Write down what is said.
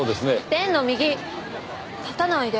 伝の右立たないで。